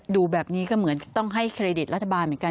ดูแบบนี้ก็เหมือนจะต้องให้เครดิตรัฐบาลเหมือนกัน